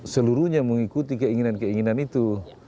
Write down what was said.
seluruhnya mengikuti keinginan keinginan itu